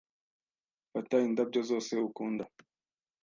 Fata indabyo zose ukunda.